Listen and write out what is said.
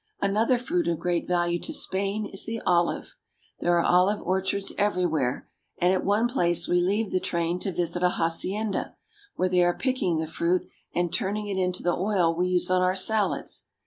Another fruit of great value to Spain is the olive. There are olive orchards everywhere, and at one place we leave the train to visit a hacienda, where they are picking the fruit, and turning it into the oil we use on our salads.